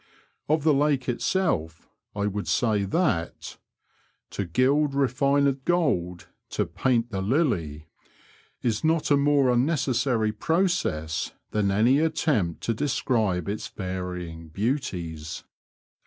" Of the lake itself I would say that ♦* To gild refined gold, to paint the lily," is not a more unnecessary process than any attempt to describe its varying beauties.